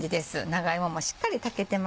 長芋もしっかり炊けてます。